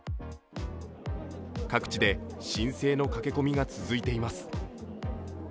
各地で申請の駆け込みが続いています。